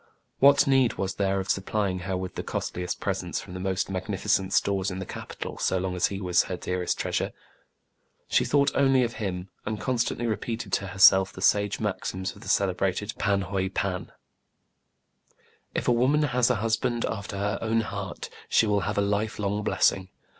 What need was there of supplying her with the costliest presents from the most magnificent stores in the capital so long as he was her dearest treasure } She thought only of him, and constantly repeated to herself the sage maxims of the celebrated Pan Hoei Pan, —" If a woman has a husband after her own heart, she will have a lifelong blessing.